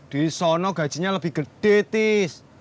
di solo gajinya lebih gede tis